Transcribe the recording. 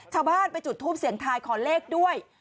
ชาวบ้านไปจุดทูปเสียงทายขอเลขด้วย